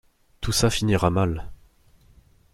Tout ça finira mal.